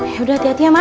yaudah hati hati ya man